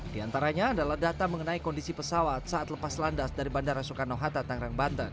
di antaranya adalah data mengenai kondisi pesawat saat lepas landas dari bandara soekarno hatta tangerang banten